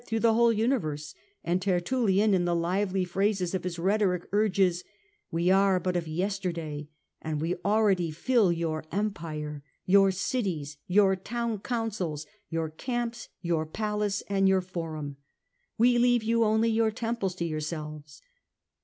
Irenaeus thinks that the church is spread through the whole universe, and Tertullian in the lively phrases of his rhetoric urges, * We are but of yesterday, and we already fill your empire, your cities, your town councils, your camps, your palace, and your forum ; we leave you only your temples to yourselves.